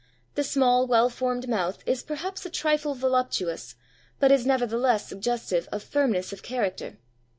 The small, well formed mouth is perhaps a trifle voluptuous, but is nevertheless suggestive of firmness of character.